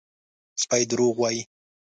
_سپی دروغ وايي!